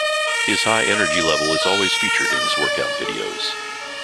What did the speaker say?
His high energy level is always featured in his workout videos.